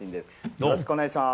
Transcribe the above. よろしくお願いします。